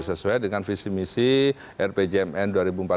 sesuai dengan visi misi rpjmn dua ribu empat belas dua ribu sembilan belas